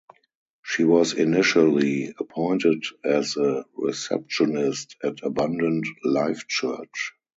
She was initially appointed as a receptionist at Abundant Life Church.